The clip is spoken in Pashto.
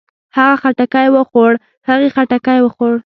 هغۀ خټکی وخوړ. هغې خټکی وخوړ.